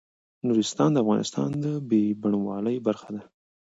نورستان د افغانستان د بڼوالۍ برخه ده.